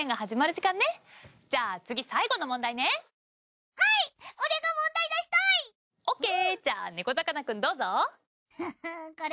じゃあねこざかなくんどうぞ。